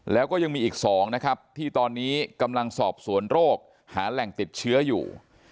แล้วก็ยังมีอีก๒นะครับที่ตอนนี้กำลังสอบสวนโรคหาแหล่งติดเชื้ออยู่